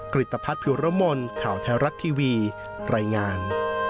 กริตภัทรพิวรมนต์ข่าวไทยรัฐทีวีรายงาน